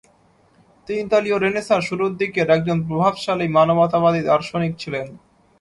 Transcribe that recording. তিনি ইতালীয় রেনেসাঁর শুরুর দিকের একজন প্রভাবশালী মানবতাবাদী দার্শনিক ছিলেন।